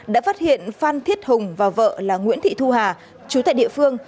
đã phát hiện phan thiết hùng và vợ là nguyễn thị thu hà chú tại địa phương